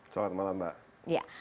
selamat malam mbak